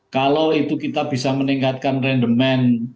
kalau itu kita bisa meningkatkan rendemen